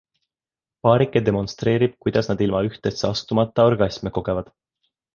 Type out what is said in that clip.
Paarike demonstreerib, kuidas nad ilma ühtesse astumata orgasme kogevad.